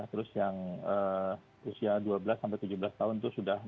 terus yang usia dua belas tujuh belas tahun itu sudah enam puluh dua